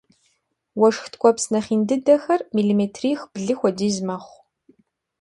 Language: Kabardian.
Уэшх ткӏуэпс нэхъ ин дыдэхэр миллиметрих-блы хуэдиз мэхъу.